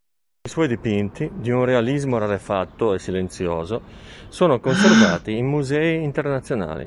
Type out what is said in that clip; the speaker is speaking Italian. I suoi dipinti, di un realismo rarefatto e silenzioso, sono conservati in musei internazionali.